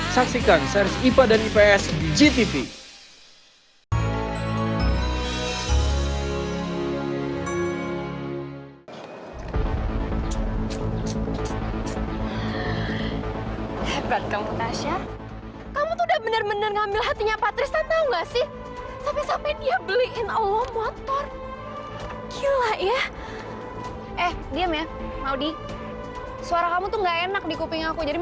saksikan series ipa dan ips di gtv